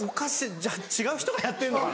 じゃあ違う人がやってるのかな？